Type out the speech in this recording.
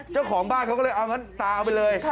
เจ้าของบ้านเขาก็เลยเอางั้นตาเอาไปเลย